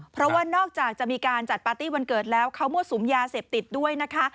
เพราะว่านอกจากจะมีการจัดปาร์ตี้วันเกิดแล้วเขามั่วสุมยาเสพติดด้วยนะคะ